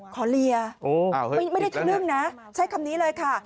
ขอเรียไม่ได้ทั้งหนึ่งนะใช้คำนี้เลยค่ะ